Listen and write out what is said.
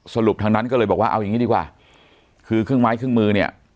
สรุปทางนั้นก็เลยบอกว่าเอาอย่างนี้ดีกว่าคือเครื่องไม้เครื่องมือเนี่ย